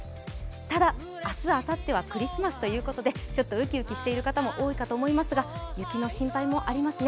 ただ、明日、あさってはクリスマスということでちょっとウキウキしている方も多いかと思いますが雪の心配もありますね。